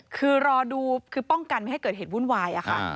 คือรอดูคือป้องกันไม่ให้เกิดเหตุวุ่นวายค่ะ